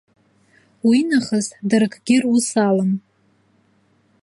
Уинахыс дара акгьы рус алам.